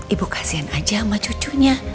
ibu kasian aja sama cucunya